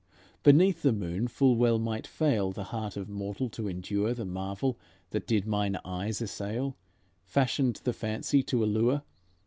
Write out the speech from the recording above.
Beneath the moon full well might fail The heart of mortal to endure The marvel that did mine eyes assail, Fashioned the fancy to allure.